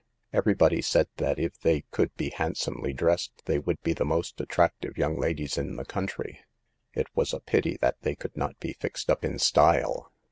Everybody said that if they could be handsomely dressed, they would be the most attractive young ladies in the country. 6 It was a pity that they could not be fixed up in style.'